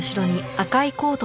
赤いコート